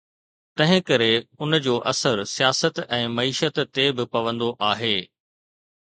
تنهن ڪري ان جو اثر سياست ۽ معيشت تي به پوندو آهي.